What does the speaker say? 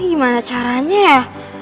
ini gimana caranya ya